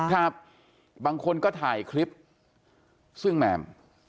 ครับบางคนก็ถ่ายคลิปซึ่งแมม